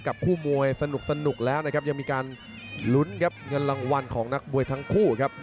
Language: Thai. คู่มวยสนุกแล้วนะครับยังมีการลุ้นครับเงินรางวัลของนักมวยทั้งคู่ครับ